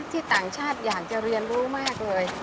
ต่างชาติอยากจะเรียนรู้มากเลย